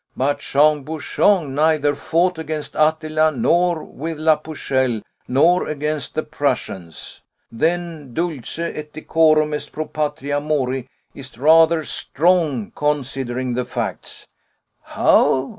"But Jean Bouchon neither fought against Attila nor with la Pucelle, nor against the Prussians. Then 'Dulce et decorum est pro patria mori' is rather strong, considering the facts." "How?